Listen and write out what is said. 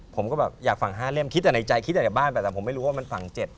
ผมก็แบบอยากฝั่ง๕เล่มคิดแต่ในใจคิดแต่จากบ้านไปแต่ผมไม่รู้ว่ามันฝั่ง๗